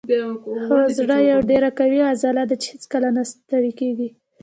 هو زړه یوه ډیره قوي عضله ده چې هیڅکله نه ستړې کیږي